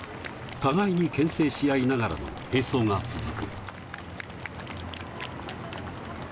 互いに牽制しあいながらの並走が続く。